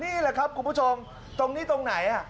นี่แหละครับคุณผู้ชมตรงนี้ตรงไหน